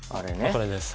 これですね。